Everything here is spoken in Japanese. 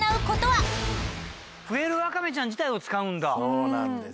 そうなんです。